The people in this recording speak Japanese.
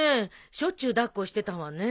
しょっちゅう抱っこしてたわね。